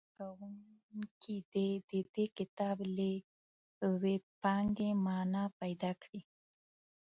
زده کوونکي دې د دې کتاب له وییپانګې معنا پیداکړي.